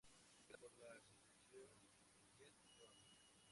Está organizado por la Asociación Ripollet Rock.